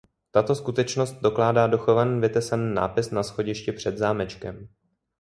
Tuto skutečnost dokládá dochovaný vytesaný nápis na schodišti před zámečkem.